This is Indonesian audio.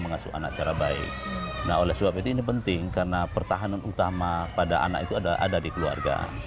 nah oleh sebab itu ini penting karena pertahanan utama pada anak itu ada di keluarga